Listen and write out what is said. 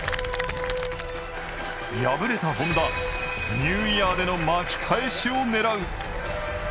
敗れたＨｏｎｄａ、ニューイヤーでの巻き返しを狙う。